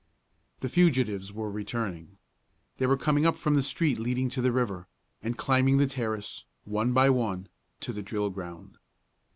The fugitives were returning. They were coming up from the street leading to the river, and climbing the terrace, one by one, to the drill ground.